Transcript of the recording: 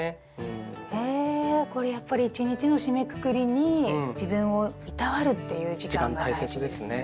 へえこれやっぱり一日の締めくくりに自分をいたわるっていう時間が大事ですね。